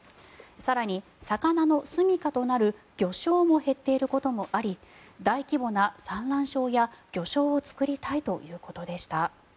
更に、魚のすみかとなる魚礁も減っていることもあり大規模な産卵床や魚礁を作りたいということでした。